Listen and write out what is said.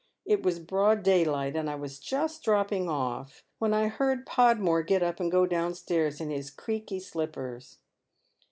It was broad daylight, and I was just dropping off, when I heard Podmore get up and go down stairs in his creaky slippers.